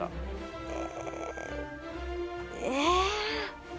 ええ？